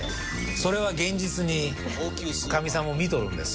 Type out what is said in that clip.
それは現実にかみさんも見とるんですよ。